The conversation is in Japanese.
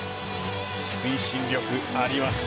推進力あります。